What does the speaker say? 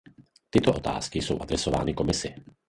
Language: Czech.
Tyto otázky jsou adresovány Komisi.